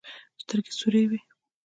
سترګې سورې وې.